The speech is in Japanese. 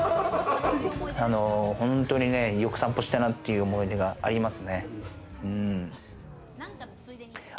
本当によく散歩したなっていう思い出が、あります。